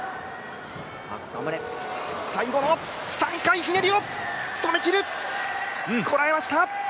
最後の３回ひねりを止めきる、こらえました。